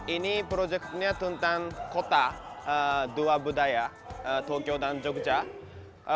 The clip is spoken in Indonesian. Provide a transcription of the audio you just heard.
ini proyeknya tentang kota dua budaya tokyo dan jogja